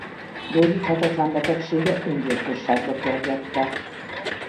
Gyógyíthatatlan betegsége öngyilkosságba kergette.